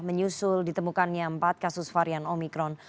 menyusul ditemukannya empat kasus varian omikron